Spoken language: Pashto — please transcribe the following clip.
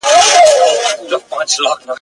د بازانو له ځاليه ..